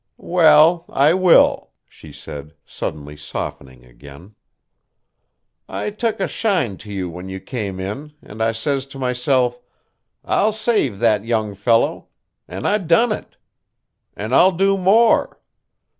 "Well, I will," she said, suddenly softening again. "I took a shine to you when you came in, an' I says to myself, 'I'll save that young fellow,' an' I done it. And I'll do more.